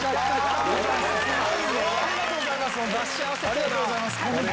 ありがとうございます本当。